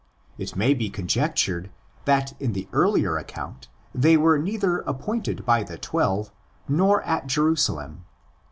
It may be conjectured that in the earlier account they were neither appointed by the Twelve nor at Jerusalem.